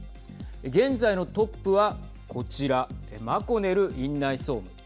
現在のトップはこちら、マコネル院内総務。